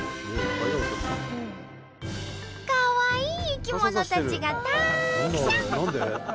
かわいい生き物たちがたくさん！